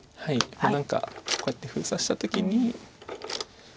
何かこうやって封鎖した時に。